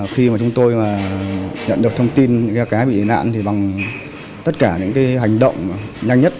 khi mà chúng tôi nhận được thông tin những cái bị nạn thì bằng tất cả những cái hành động nhanh nhất